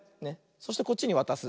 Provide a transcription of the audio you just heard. そしてこっちにわたす。